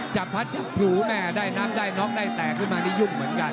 จับพัดจับผิวแม่ได้น้ำได้นอกได้แตกขึ้นมาได้ยุ่งเหมือนกัน